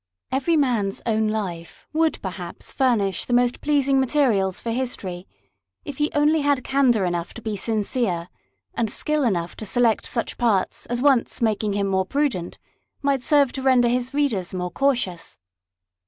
Every man's own life would perhaps furnish the most pleasing materials for history, if he only had candour enough to be sincere, and skill enough to select such parts as once making him more prudent, might serve to render his readers more cautious.